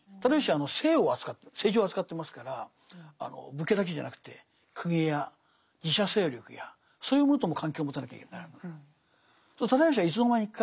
直義は政治を扱ってますから武家だけじゃなくて公家や寺社勢力やそういうものとも関係を持たなきゃいけない。